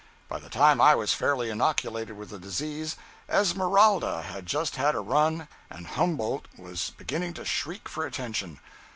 By the time I was fairly inoculated with the disease, "Esmeralda" had just had a run and "Humboldt" was beginning to shriek for attention.